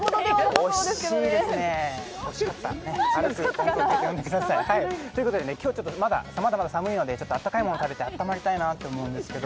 惜しいですね、惜しかった。ということで、今日はまだまだ寒いので、あったかいものを食べてあったまりたいなと思うんですけど。